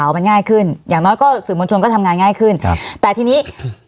มันง่ายขึ้นอย่างน้อยก็สื่อมวลชนก็ทำงานง่ายขึ้นครับแต่ทีนี้